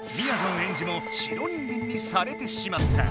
エンジも白人間にされてしまった。